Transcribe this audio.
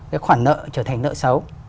cái khoản nợ trở thành nợ xấu